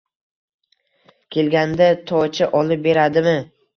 Kelganida toycha olib beradimi?